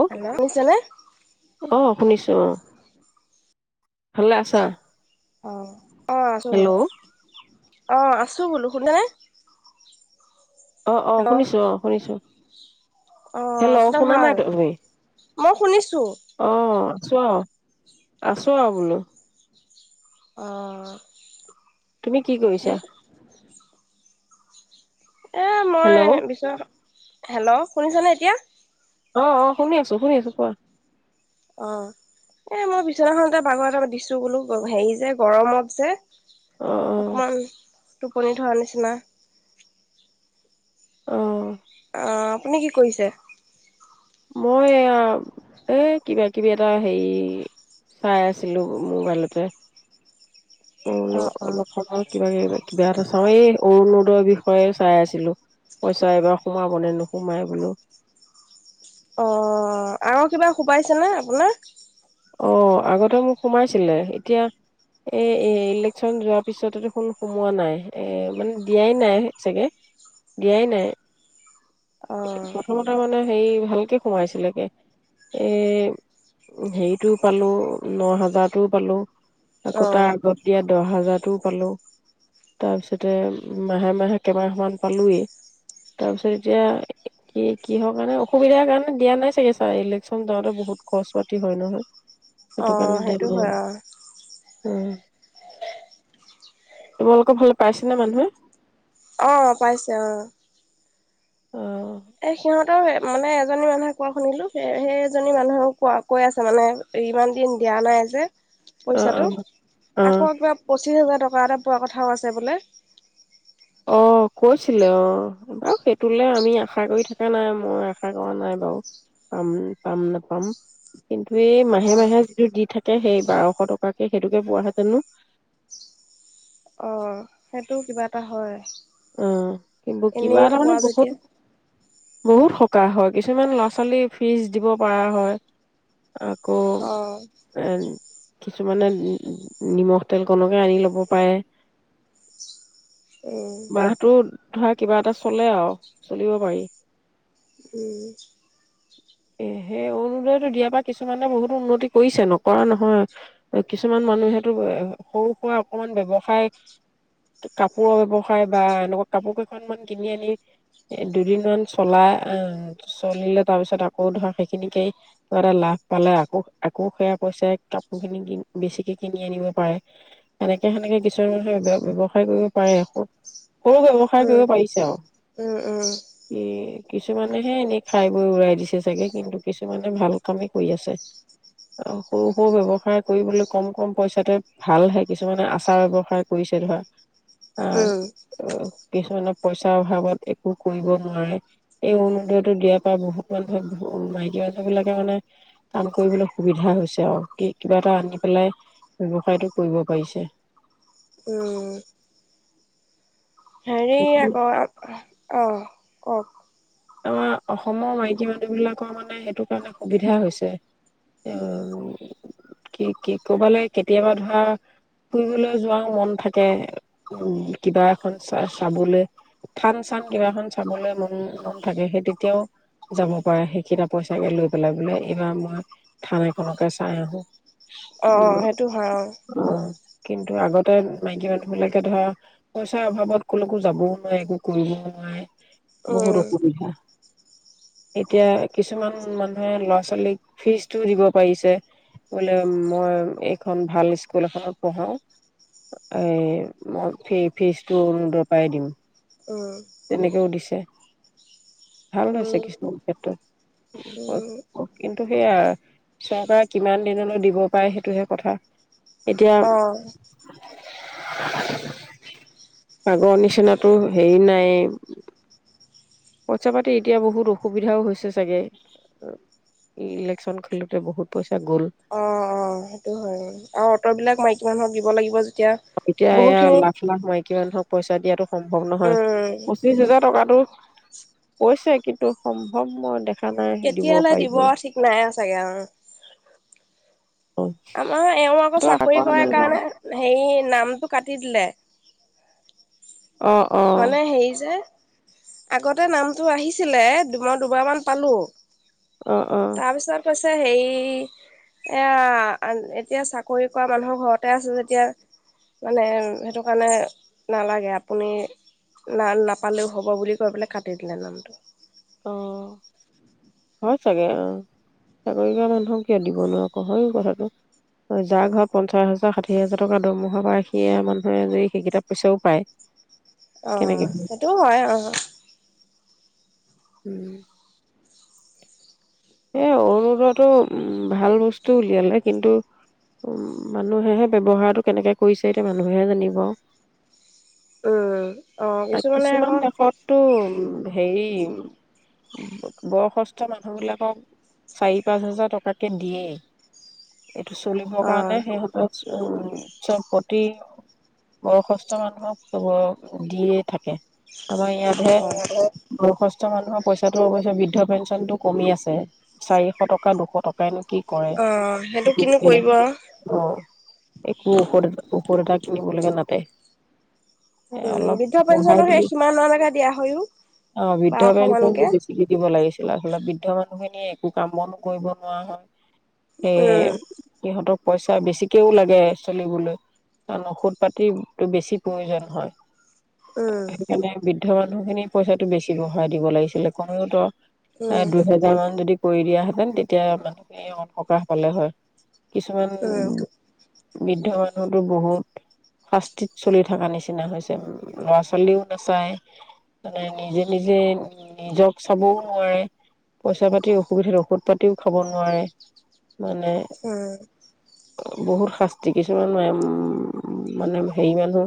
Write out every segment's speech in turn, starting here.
আহ হেল্ল' শুনিছেনে? আহ শুনিছো আহ ভালে আছা অ [inaudible] অ আছো হেল্ল' অঁ আছোঁ বোলো শু [inaudible] অ অ শুনিছো অ শুনিছো অ হেল্ল' আপোনাৰ শুনা নাই ভাল তুমি মই শুনিছো অ আছো অ আছো আও বোলো আহ [unintelligible] তুমি কি কৰিছা এ মই হেল্ল' বিশ্বনাচ হেল্ল' শুনিছনে এতিয়া অ অ শুনি আছো শুনি আছো কোৱা অ এ মই বিচনাখনতে বঘৰ এটা দিছো বোলো হেৰি যে গৰমত যে অ অকমানমান টোপনি ধৰা নিচিনা অ আপুনি কি কৰিছে মইয়া এ কিবা কিবি এটা হেৰি চাই আছিলো মোবাইলতে উল অ', অ', অলপ ফল হকিবাগে কিবা এটা চাওঁ এই অৰুণোদয়ৰ বিষয়ে চাই আছিলো পইচা এবাৰ সোমাব নে নোসোমাই বোলো অ আৰু কিবা সোবাইছেনে আপোনাৰ অ আগতে মোক সোমাইছিলে এতিয়া এই ইলেক্যন যোৱাৰ পিছত দেখোন সোমোৱা নাই এ মানে দিয়াই নাই চাগে দিয়াই নাই অ', প্ৰথমতে মানে হেৰি ভালকে সোমাইছিলেগে এ হেৰিটোও পালো ন হাজাৰটোও পালো আকৌ অ', তাৰ আগত দিয়া দহ হাজাৰ পালো তাৰপিছতে মাহে মাহে কমাহ মান পালোয়েই তাৰ পিছত এতিয়া কি কিহৰ কাৰণে অসুবিধাৰ কাৰণে দিয়া নাই চাগে ছাৰ ইলেক্যন যাওঁতে বহুত খৰচ পাতি হয় নহয় অ সেইটো কাৰণে দিয়া সেইটো নাই হয় আৰু উম তোমালোকৰ ভালে পাইছ নে মানুহে আহ পাইছে অ অ এ সিহঁতৰ মানে এজনী মানুহে কোৱা শুনিলোঁ সেই সেই এজনী মানুহেও কোৱা কৈ আছে মানে ইমান দিন দিয়া নাই যে অ অ পইচাটো অ আকৌ কিবা পঁচিশ হাজাৰ [unintelligible] অ কৈছিলে অ বাৰু সেইটোে আমি আশা কৰি থকা নাই মই আশা কৰা নাই বাৰু পাম পাম নাপাম কিন্তু এই মাহে মাহে যিটো দি থাকে সেই বাৰশ টকাকে সেইটোকে পোৱাাহেঁতেনো অ সেইটো কিবা এটা হয় অ কিন্তু কিবা এনেই তাৰ মমানে পোৱা যেতিয়া বহুত বহুত হয় কিছুমান ল'ৰা ছোৱালী ফিজ দিব পৰা হয় অ আকৌ কিছুমানে নিমখ তেল কনকে আনি লব পাৰে উম বাহটোত। ধৰা কিবা এটা চলে আৰু চলিব পাৰি। উম। এ সেই অৰুনোদৈটো দিয়াৰ পৰা কিছুমানে বহুতো উন্নতি কৰিছে নকৰা নহয়। কিছুমান মানুহেতো সৰু সুৰা অকমান ব্যৱসায় কাপোৰৰ ব্যৱসায় বা এনেকুৱা কাপোৰ কেইখনমান কিনি আনি দুদিন মান চলাই আহ চলিলে তাৰ পিছত। আকৌ ধৰা সেইখিনিকেই কিবা এটা লাভ পালে। আকৌ, আকৌ সেয়া পইচাই কাপোৰ খিনি বেছিকে কিনি আনিব পাৰে। সেনেকে সেনেকে কিছুমান মানুহে বে ব্যৱসায়কৰিব পাৰে। সৰু ব্যৱসায় উম কৰিব পাৰিছে আৰু উম উম এ। কিছুমানেহে এনেই খাই বৈ উৰাই দিছে। তাকে কিন্তু কিছুমানে ভাল কামেই কৰি আছে। আৰু সৰু সৰু ব্যৱসায় কৰিবলৈ কম কম পইচাতে ভালহে কিছুমানে আচাৰ ব্যৱসায় কৰিছে ধৰা। আহ উম। কিছুমানে পইচাৰ অভাৱত একো কৰিব নোৱাৰে। এই অৰুনোদৈটো দিয়াৰ পা বহুত মান মাইকী মানুহ বিলাকে মানে কাম কৰিবলৈ সুবিধা হৈছে আৰু কিবা এটা আনি পেলাই ব্যৱসায়টো কৰিব পাৰিছে। উম হেৰি আকৌ। অ কওক আমাৰ অসমৰ মাইকী মানুহ বিলাকৰ মানে সেইটো কাৰণে সুবিধা হৈছে। এ কি, কি কবালৈ কেতিয়াবা ধৰা ফুৰিবলৈ যোৱাও মন থাকে। উ কিবা এখন চ চাবলৈ থান চান কিবা এখন চাবলৈ মন। থাকে সেই তেতিয়াও যাব পাৰে সেইকেইটা পইচাকে লৈ পেলাই বোলে এইবাৰ মই থান এখনকে চাই আহো। অ', সেইটো হয় অ। কিন্তু আগতে মাইকী মানুহ বিলাকে ধৰা পইচাৰ অভাৱত ক'লৈকো যাবও নোৱাৰে একো কৰিবও নোৱাৰে অ বহুত উম অসু এতিয়া কিছুমান মানুহে ল'ৰা ছোৱালীক ফিজটোও দিব পাৰিছে। বোলে মই এইখন ভাল স্কুল এখনত পঢ়াও এ মই ফি ফিজটো অৰুণোদয় পৰাই দিম উম তেনেকেও দিছে। ভাল হৈছে কিছুমান উম উম ক্ষেত্ৰত কিন্তু সেইয়া চৰকাৰে কিমান দিনলৈ দিব পাৰে সেইটোহে কথা এতিয়া। অ', পাগৰ নিচিনাটো হেৰি নাই এ। পইচা পাতি এতিয়া বহুত অসুবিধাও হৈছে চাগে ইলেকশ্যন খেলোঁতে বহুত পইচা গ'ল। অ অ', সেইটো হয় আৰু অট বিলাক মাইকী মানুহক দিব লাগিব। যেতিয়া এতিয়া এয়া বহুতখিনি লাখ লাখ মাইকী মানুহক পইচা দিয়াটো সম্ভৱ নহয়। উম পঁচিশ হাজাৰ টকাতো। কৈছে কিন্তু সম্ভৱ মই দেখা। নাই কেতিয়ালৈ পাৰিব দিব ঠিক নাই চাগে আৰু। অ আমাৰ এওঁ আকৌ আশা চাকৰি কৰা কৰে নাই বাৰু কাৰণে হেৰি নামটো কাটি দিলে। অ অ মানে হেৰি যে। আগতে নামটো আহিছিলে মই দুবাৰমান পালো। অ অ তাৰপিছত কৈছে। আছে হেৰি এয়া এতিয়া চাকৰি কৰা মানুহৰ ঘৰতে আছে যেতিয়া মানে সেইটো কাৰণে নালাগে আপুনি। না নাপালেও হ'ব বুলি কৈ পেলাই কাটি দিলে নামটো। অ', হয় চাগে অ চাকৰি কৰা মানুহক কিয় দিব নো হয় ও কথাটো যাৰ ঘৰত পঞ্চাছ হাজ- অ', সেইটোও হয় অ। উম। এ অৰুণোদয়টো উম ভাল বস্তু উলিয়ালে কিন্তু উম মানুহেহে ব্যবহাৰ কেনেকে কৰিছে এতিয়া মানুহে জানিব। উম অ কিছুমানে কিছুমান আকৌ দেশতটো উম। হেৰি বয়সস্থ মানুহ বিলাক। চাৰি, পাঁচ হাজাৰ টকাকে দিয়ে। এইটো চলিবৰ অ কাৰণে সেইহঁতক উ চৱ প্ৰতি বয়সস্থ মানুহক চব দিয়ে থাকে আমাৰ ইয়াতহে অ বয়সস্থ মানুহৰ পইচাটো অৱশে বৃদ্ধ পেঞ্চন টো কমি আছে চাৰিশ টকা দুশ টকাই নো কি কৰে অ সেইটো কিনো কৰিব অ একো ঔষধ এ ঔষধ এটাক কিয় বুলিব নাপায় উম বৃদ্ধ পেঞ্চনৰ সেই সীমানলৈকে দিয়া হয়ও বাৰশ মানকে এয়া হলা বৃদ্ধ মানুহখিনিয় একো কাম বন কৰিব নোৱাৰা হয় সে উম সিহঁতক পইচা বেছিকেও লাগে চলিবলৈ কাৰণ ঔষধ পাতি বেছি প্ৰয়োজন হয় উম সেইকাৰণে বৃদ্ধ অ মানুহখিনি পইচাটো বেছি বঢ়ই দিব লাগিছিলে কোনেওতো উম যদি কৰি দিয়াহেতেন তেতিয়া মানুহ অ সকাহ পালে হয় কিছুমান উম বৃদ্ধ মানুহতো বহুত শাস্তিত চলি থকা নিচিনা হৈছে উ ল'ৰা ছোৱালীও নাচায় মানে নিজে নিজে নিজক চাবও নোৱাৰে পইচা পাতিৰ অসুবিধাত ঔষধ পাতিও খাব নোৱাৰে মানে উম বহুত শাস্তি কিছুমান উম মানে হেৰি মানুহ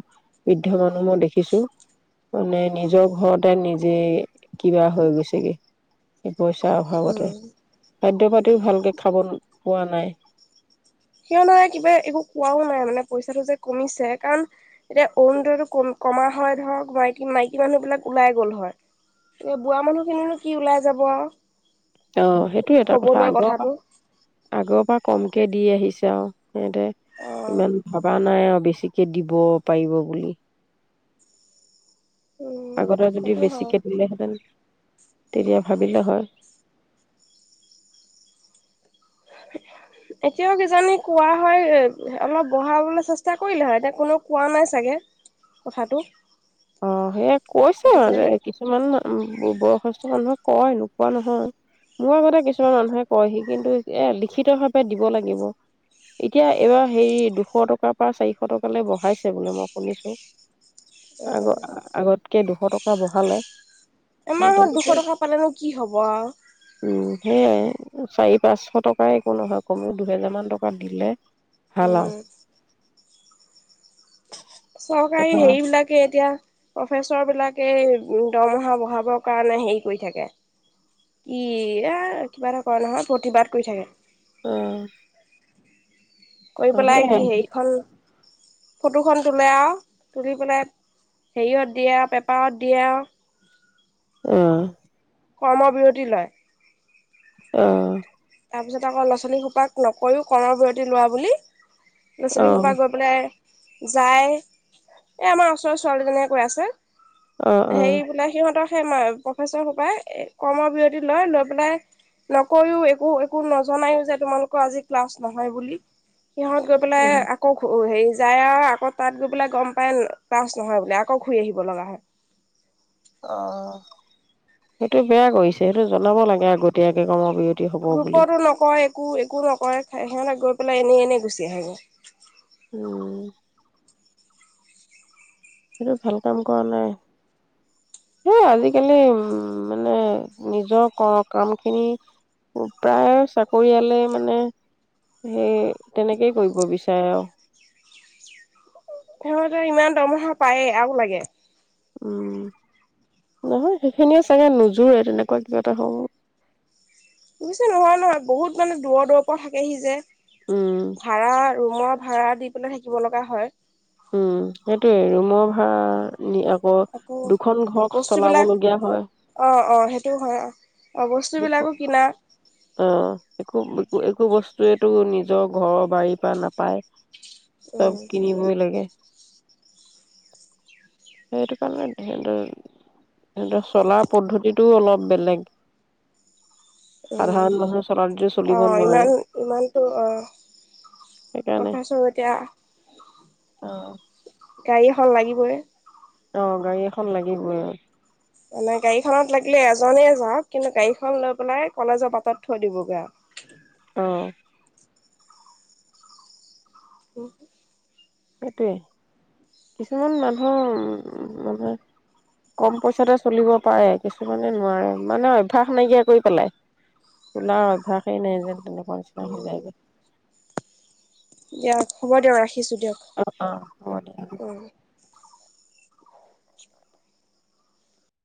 বৃদ্ধ মানুহ মই দেখিছো মানে নিজৰ ঘৰতে নিজে কিবা হৈ গৈছেগে পইচাৰ অভাৱতে উম খাদ্য প একো ভালকে খাব পোৱা নাই সিয় নাই কিবা একো কোৱাও নাই মানে পইচাটো যে কমিছে কাৰণ এতিয়া অৰুণদয়টো কমা হয় ধৰক মাইকী মাইকী মানুহ বিলাক ওলাই গল হয় এ বুঢ়া মানুহজননো কি ওলাই যাব আৰু অ সেইটোয় এটা কথা কবলৈ আগৰ কথাটো পৰা আগৰ পৰা কম কে দি আহিছে আৰু সতে অ ইমান ভাবা নাই আৰু বেছিকে দিব পাৰিব বুলি উম আগতে যদি সেইটো হয় বেছিকে দিলেহেঁতেন তেতিয়া ভাবিলোঁ হয় এতিয়াও কিজানি কোৱা হয় অলপ বঢ়াবলৈ চেষ্টা কৰিলে হয় এতিয়া কোননে কোৱা নাই চাগে কথাটো অ সেই কৈছো এইটো যে আৰু কিছুমান বয়সস্থ মানুহে কয় নোকোৱা নহয় মোৰ আগতে কিছুমান মানুহে কয় সি কিন্তু এ লিখিত ভাৱে দিব লাগিব এতিয়া এইবাৰ হেৰি দুশ টকাৰ পৰা চাৰিশ টকালৈ বঢ়াইছে বোলে মই শুনিছো আগত উম আগত কে দুশ টকা বঢ়ালে তেনেকে আমাৰ দুশ টকা পালেনো কি হ'ব উম আৰু- সেয়াই চাৰি পাঁচশ টকাই একো নহয় কমেও দুহেজাৰ মান টকা দিলে- হেল্ল' উম চৰকাৰী অ' হেৰিবিলাকে এতিয়া- প্ৰফেচৰ বিলাকে দৰমহা বঢ়াবৰ কাৰণে হেৰি কৰি থাকে। কি এ কিবা এটা কৰা নহয় প্ৰতিবাদ কৰি থাকে। অঁ কৰি পেলাই কি সেইখন- ফটোখন তোলে আৰু তুলি পেলাই হেৰিত দিয়ে আৰু পেপাৰত দিয়ে আৰু- উম কৰ্মবৰতি লয়। অঁ তাৰপিছত আকৌ লচনী সোপাক নকৰিও কৰ্ম বিৰতি লোৱা বুলি- ল'ৰা ছোৱালী সোপা গৈ পেলাই- যাই এ আমাৰ ওচৰৰ ছোৱালীজনীয়ে কৈ আছে- হেৰি বোলে সিহঁতৰ- ই প্ৰফেচৰ সোপাই কৰ্মবিৰতি লৈ লৈ পেলাই নকৰিও- একো একো নজনায়ো যে তোমালোকৰ আজি ক্লাছ নহয় বুলি- সিহঁত গৈ পেলাই আকৌ হেৰি- যাই আৰু আকৌ তাত গৈ বোলে গম পাই পাছ নহয় বোলে আকৌ ঘূৰি আহিব লগা হয়। অঁ সেইটো বেয়া কৰিছে সেইটো জনাব লাগে আগতীয়াকে কৰ্মৰ বিৰতি - গ্ৰুপতো নকয় একো একো নকয় সেনেকা গ্ৰপ- পেলাই এনেই এনেই গুচি আহ গে। উম। সেইটো ভাল কাম কৰা নাই সেই আজিকালি উম মানে নিজৰ ক কাম খিনি প্ৰায় চাকৰিয়ালে মানে সেই তেনেকেই কৰিব বিচাৰে আৰু- সিহঁতৰ ইমান দৰমহা পায়েই আৰু লাগে। উ নহয় সেইখিনিয়ে চাগে নোযোৰে তেনেকুৱা কিবা এটা হব। বুজিছে নহয় নহয় বহুত মানে দূৰৰ দূৰৰ পৰা থাকে সি উম, যে- ভাড়া ৰুমৰ ভাড়া দি পিনে থাকিব লগা হয়। উম সেইটোয়ে ৰুমই ভাৰা- আকৌ বস্তুবিলাক হয়। অ অ সেইটোও হয় অঁ অঁ বস্তুবিলাকো কিনা- অঁ একো একো একো বস্তুয়েতো নিজৰ ঘৰৰ বাৰীৰ পৰা নাপায়। উম চব কিনিবই লাগে। সেইটো কাৰণে সিহতৰ সিহতৰ চলা পদ্ধতিটো অলপ বেলেগ। সাধাৰণ মানুহে চলাটো চলিব অঁ নোৱাৰে ইমান ইমানটো অঁ সেইকাৰণে প্ৰফেছৰ এতিয়া- অ', গাড়ীয়ে হাল লাগিবই। অঁ গাড়ী এখন লাগিবই আৰু। মানে গাড়ীখনত লাগিলে এজনে যাওক কিন্তু গাড়ীখন লৈ পেলাই কলেজৰ পাতত থৈ দিবগৈ- অঁ উম সেইটোৱে কিছুমান মানুহ উ মানে কম পইচাতে চলিব পাৰে কিছুমানে নোৱাৰে মানে অভ্যাস নাইকিয়া কৰি পেলাই চলাৰ অভ্যাসেই নাই যেন তেনেকা খৰচা হৈ যাই গৈ দিয়া হ'ব দিয়ক ৰাখ অ হব দে